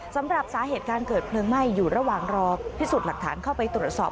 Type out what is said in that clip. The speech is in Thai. สำหรับสาเหตุการเกิดเพลิงไหม้อยู่ระหว่างรอพิสูจน์หลักฐานเข้าไปตรวจสอบ